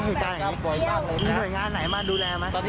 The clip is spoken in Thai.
มีหน่วยงานไหนมาดูแลมา